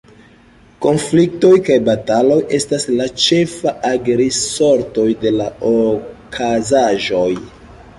Konfliktoj kaj bataloj estas la ĉefaj ag-risortoj de la okazaĵoj.